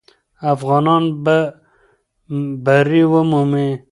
افغانان به بری ومومي.